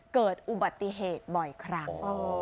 เกิดอุบัติเหตุบ่อยครั้ง